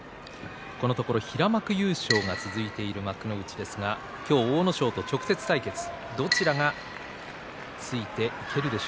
このところ平幕優勝が続いている幕内ですが今日、阿武咲と直接対決です。